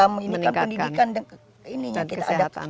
sambil kita memiliki pendidikan dan kesehatan